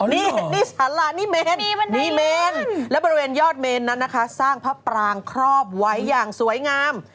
นี่สารานิเมนนิเมนและบริเวณยอดเมนนั้นนะคะสร้างพระปรางครอบไว้อย่างสวยงาม